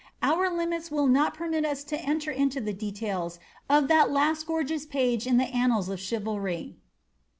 Our limits will not permit us to enter i details of that last gorgeous page in the antuds of chivalry.